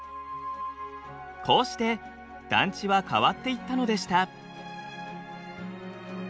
こうして団地は変わっていったのでした。